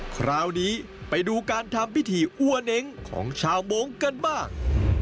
คราวนี้ไปดูการทำพิธีอัวเน้งของชาวมงค์กันบ้าง